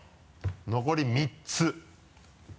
残り３つ。